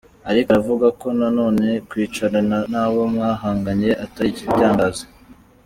Ariko aravuga ko nanone kwicarana n'abo mwahanganye atari igitangaza.